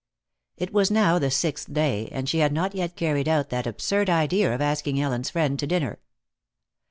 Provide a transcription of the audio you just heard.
It was now the sixth day, and she had not yet carried out that absurd idea of asking Ellen's friend to dinner.